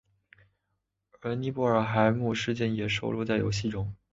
而尼布尔海姆事件也收录在游戏中。